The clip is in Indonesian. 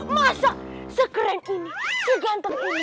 masa sekeren ini seganteng ini